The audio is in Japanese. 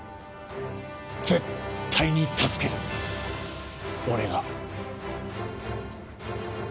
絶対に助ける俺が。